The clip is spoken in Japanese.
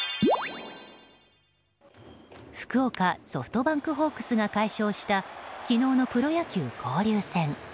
福岡ソフトバンクホークスが快勝した昨日のプロ野球交流戦。